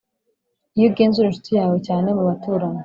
iyo ugenzura inshuti yawe cyane mubaturanyi